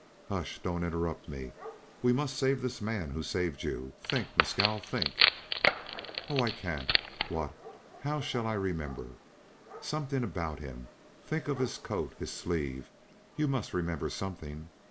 "Hush! don't interrupt me. We must save this man who saved you. Think! Mescal! Think!" "Oh! I can't. What how shall I remember?" "Something about him. Think of his coat, his sleeve. You must remember something.